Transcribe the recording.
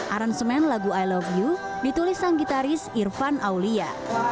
aransemen lagu i love you ditulis sang gitaris irfan aulia